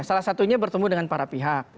salah satunya bertemu dengan para pihak